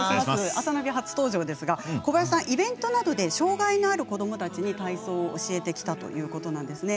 「あさナビ」、初登場ですが小林さん、イベントなどで障がいのある子どもたちに体操を教えてきたということなんですね。